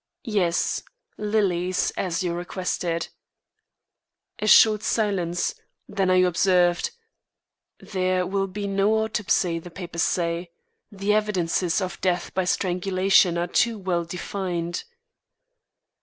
"Yes; lilies, as you requested." A short silence, then I observed: "There will be no autopsy the papers say. The evidences of death by strangulation are too well defined."